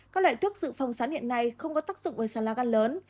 các loại thuốc dự phòng sán hiện nay không có tác dụng với sán lá gan lớn